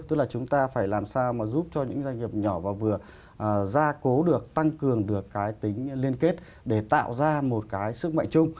tức là chúng ta phải làm sao mà giúp cho những doanh nghiệp nhỏ và vừa gia cố được tăng cường được cái tính liên kết để tạo ra một cái sức mạnh chung